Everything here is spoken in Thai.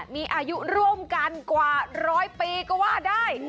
มีอายุร่วมกันกว่าร้อยปีก็ว่าได้